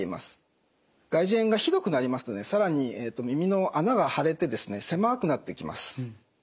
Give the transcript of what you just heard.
外耳炎がひどくなりますと更に耳の穴が腫れて狭くなってきます。